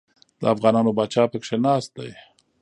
د افغانانو پاچا پکښې ناست دی.